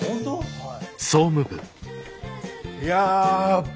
はい。